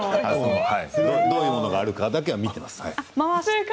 どういうものがあるかだけは見てます。